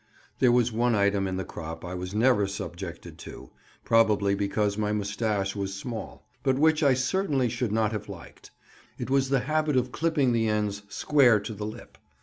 There was one item in the crop I was never subjected to—probably because my moustache was small—but which I certainly should not have liked; it was the habit of clipping the ends square to the lip.